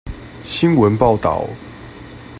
新聞報導